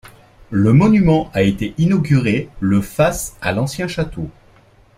Le monument a été inauguré le face à l'ancien château.